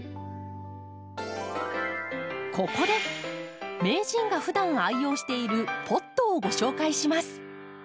ここで名人がふだん愛用しているポットをご紹介します。